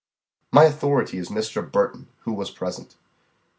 "My authority is Mr. Burton, who was present."